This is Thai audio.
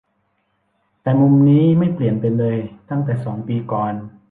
แต่มุมนี้ไม่เปลี่ยนไปเลยตั้งแต่สองปีก่อน